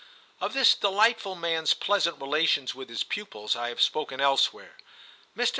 * Of this delightful man's pleasant relations with his pupils I have spoken elsewhere. Mr.